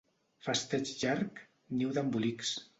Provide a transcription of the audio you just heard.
Festeig llarg, niu d'embolics.